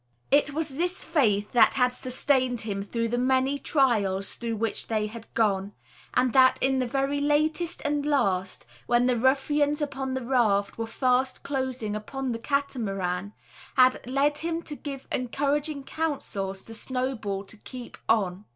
It was this faith that had sustained him through the many trials through which they had gone; and that, in the very latest and last, when the ruffians upon the raft were fast closing upon the Catamaran, had led him to give encouraging counsels to Snowball to keep on.